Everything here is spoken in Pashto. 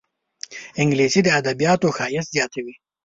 انګلیسي د ادبياتو ښایست زیاتوي